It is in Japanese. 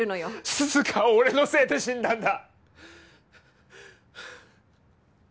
涼香は俺のせいで死んだんだ！